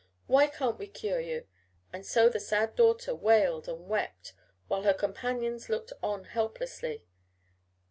Why can't we cure you!" and so the sad daughter wailed and wept, while her companions looked on helplessly.